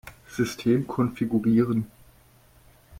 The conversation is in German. System konfigurieren.